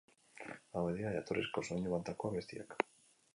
Hauek dira jatorrizko soinu bandako abestiak.